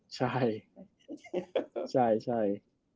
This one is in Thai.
ใช่ใช่ใช่